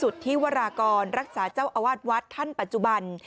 ที่มาก่อนรักษาเจ้าอวาดวัดท่านปัจจุบัน